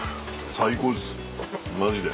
最高ですマジで。